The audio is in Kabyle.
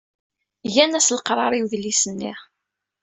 Gan-as leqrar i udlis-nni.